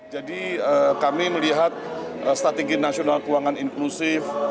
jadi kami melihat strategi nasional keuangan inklusif